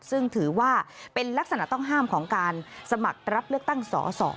ซึ่งถือว่าเป็นลักษณะต้องห้ามของการสมัครรับเลือกตั้งสอสอ